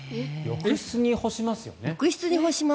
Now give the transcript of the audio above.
浴室に干します。